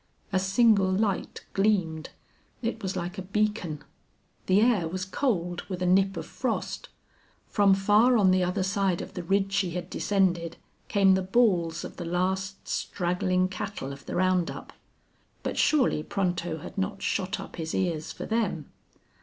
A single light gleamed. It was like a beacon. The air was cold with a nip of frost. From far on the other side of the ridge she had descended came the bawls of the last straggling cattle of the round up. But surely Pronto had not shot up his ears for them.